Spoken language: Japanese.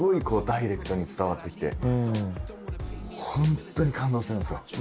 こうダイレクトに伝わって来てホントに感動するんですよ